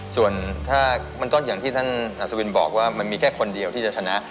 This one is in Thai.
ส่วนถ้ามันก็อย่างที่ท่านอัศวินบอกว่ามันมีแค่คนเดียวที่จะชนะ